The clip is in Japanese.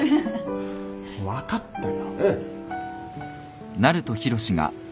分かったよ。